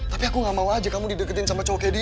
tapi aku gak mau aja kamu dideketin sama cowok kayak di